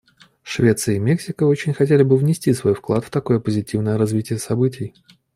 Швеция и Мексика очень хотели бы внести свой вклад в такое позитивное развитие событий.